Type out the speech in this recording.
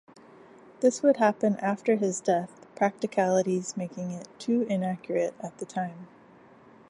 This would happen after his death, practicalities making it too inaccurate at the time.